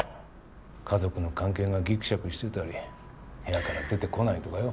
家族の関係がギクシャクしてたり部屋から出てこないとかよ。